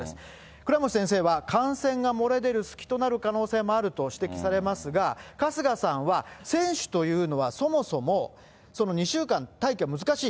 倉持先生は、感染が漏れ出る隙となる可能性もあると指摘されますが、春日さんは、選手というのはそもそも２週間待機は難しい。